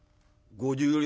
「５０両？